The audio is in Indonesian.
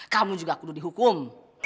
kamu juga kudu dihukum